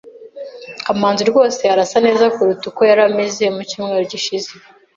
Kamanzi rwose arasa neza kuruta uko yari ameze mu cyumweru gishize.